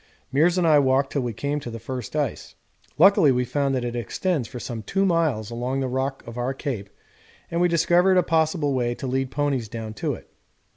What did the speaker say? Meares and I walked till we came to the first ice. Luckily we found that it extends for some 2 miles along the rock of our Cape, and we discovered a possible way to lead ponies down to it.